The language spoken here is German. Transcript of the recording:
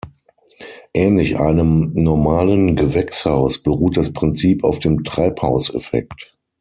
Ähnlich einem normalen Gewächshaus beruht das Prinzip auf dem Treibhauseffekt.